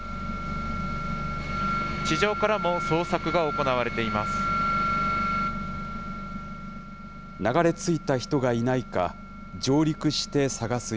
地上からも捜索が行われています。